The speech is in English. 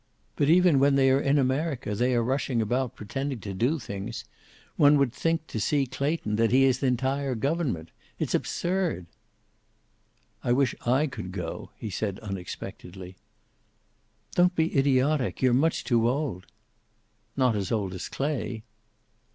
"But even when they are in America, they are rushing about, pretending to do things. One would think to see Clayton that he is the entire government. It's absurd." "I wish I could go," he said unexpectedly. "Don't be idiotic. You're much too old." "Not as old as Clay."